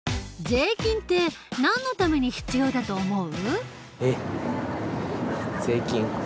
税金ってなんのために必要だと思う？